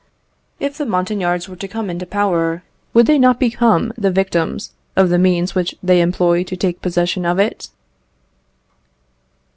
If the Montagnards were to come into power, would they not become the victims of the means which they employed to take possession of it?